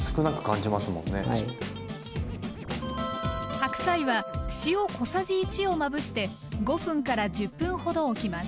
白菜は塩小さじ１をまぶして５分１０分ほどおきます。